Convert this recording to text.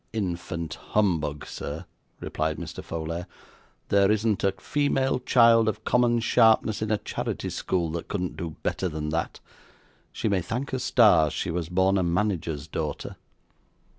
'Infant humbug, sir,' replied Mr. Folair. 'There isn't a female child of common sharpness in a charity school, that couldn't do better than that. She may thank her stars she was born a manager's daughter.